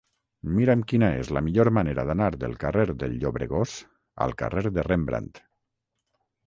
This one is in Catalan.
Mira'm quina és la millor manera d'anar del carrer del Llobregós al carrer de Rembrandt.